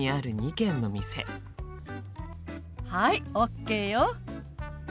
はいＯＫよ！